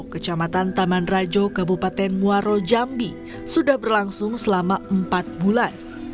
kecamatan taman rajo kabupaten muaro jambi sudah berlangsung selama empat bulan